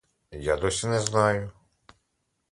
Я досі не знаю.